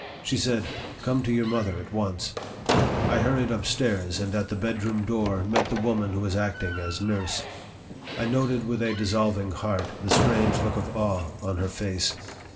She said: "Come to your mother at once." I hurried upstairs, and at the bedroom door met the woman who was acting as nurse. I noted with a dissolving heart the strange look of awe on her face.